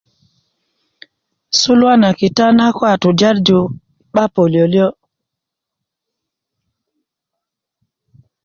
sulua na kita na ko a tujarju 'ba pölyölyö